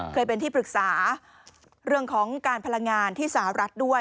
เคยเป็นที่ปรึกษาเรื่องของการพลังงานที่สหรัฐด้วย